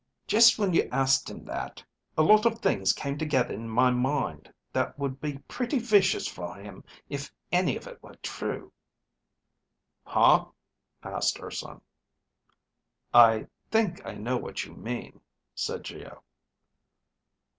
"Just when you asked him that, a lot of things came together in my mind that would be pretty vicious for him if any of it were true." "Huh?" asked Urson. "I think I know what you mean," said Geo.